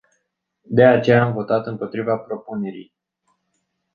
De aceea, am votat împotriva propunerii.